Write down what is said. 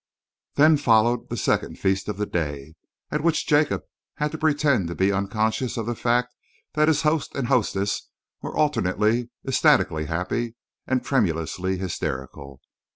Then followed the second feast of the day, at which Jacob had to pretend to be unconscious of the fact that his host and hostess were alternately ecstatically happy and tremulously hysterical.